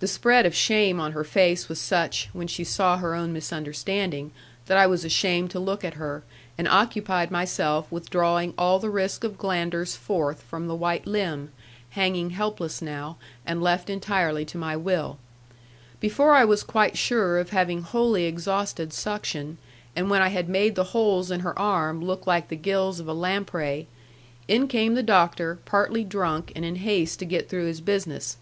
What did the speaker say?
The spread of shame on her face was such, when she saw her own misunderstanding, that I was ashamed to look at her; and occupied myself with drawing all the risk of glanders forth from the white limb, hanging helpless now, and left entirely to my will. Before I was quite sure of having wholly exhausted suction, and when I had made the holes in her arm look like the gills of a lamprey, in came the doctor, partly drunk, and in haste to get through his business.